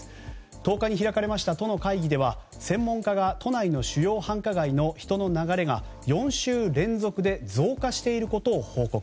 １０日に開かれました都の会議では専門家が都内の主要繁華街の人の流れが４週連続で増加していることを報告。